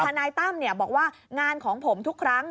นายตั้มบอกว่างานของผมทุกครั้ง